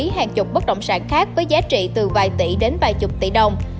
thành lý hàng chục bất động sản khác với giá trị từ vài tỷ đến vài chục tỷ đồng